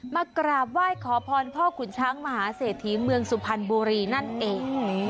มากราบไหว้ขอพรพ่อขุนช้างมหาเศรษฐีเมืองสุพรรณบุรีนั่นเอง